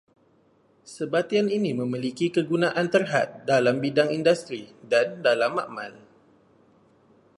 Sebatian ini memiliki kegunaan terhad dalam bidang industri dan dalam makmal